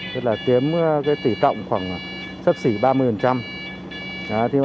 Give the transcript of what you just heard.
tức là tiêm tỷ trọng khoảng sắp xỉ ba mươi